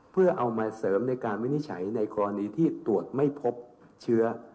เพื่อเอามาเสริมในการวินิจฉัยในกรณีที่ตรวจไม่พบเชื้อ